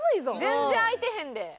全然開いてへんで。